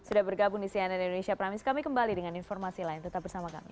sudah bergabung di cnn indonesia prime news kami kembali dengan informasi lain tetap bersama kami